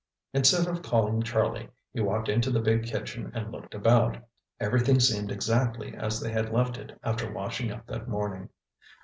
Instead of calling Charlie, he walked into the big kitchen and looked about. Everything seemed exactly as they had left it after washing up that morning.